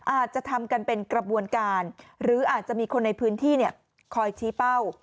อาจจะทำกันเป็นกระบวนการหรืออาจจะมีคนในพื้นที่คอยชี้เป้า